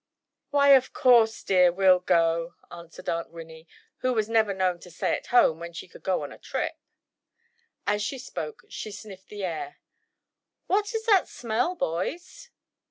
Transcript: "Why, of course, dear, we'll go," answered Aunt Winnie, who was never known to stay at home when she could go on a trip. As she spoke she sniffed the air. "What is that smell, boys?"